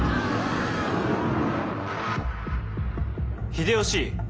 秀吉！